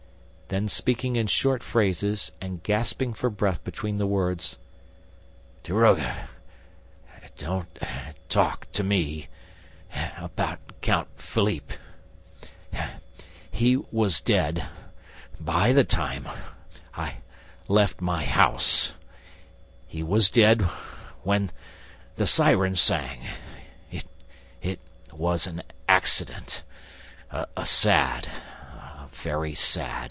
Then, speaking in short phrases and gasping for breath between the words: "Daroga, don't talk to me ... about Count Philippe ... He was dead ... by the time ... I left my house ... he was dead ... when ... the siren sang ... It was an ... accident ... a sad ... a very sad